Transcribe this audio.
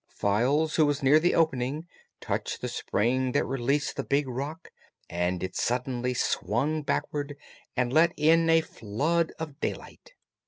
Files, who was near the opening, touched the spring that released the big rock and it suddenly swung backward and let in a flood of daylight.